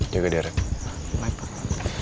jangan lupa pak